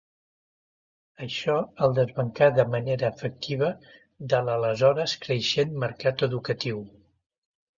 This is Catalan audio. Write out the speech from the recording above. Això el desbancà de manera efectiva de l'aleshores creixent mercat educatiu.